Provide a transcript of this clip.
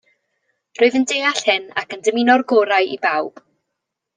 Rwyf yn deall hyn ac yn dymuno'r gorau i bawb